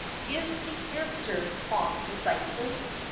Is the answer, prompt, decisive.